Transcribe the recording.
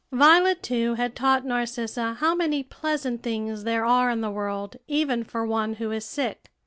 Violet, too, had taught Narcissa how many pleasant things there are in the world even for one who is sick.